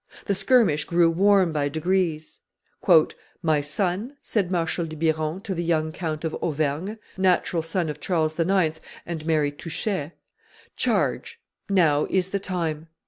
The skirmish grew warm by degrees. "My son," said Marshal de Biron to the young count of Auvergne [natural son of Charles IX. and Mary Touchet], "charge: now is the time."